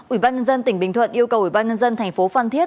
ủy ban nhân dân tỉnh bình thuận yêu cầu ủy ban nhân dân thành phố phan thiết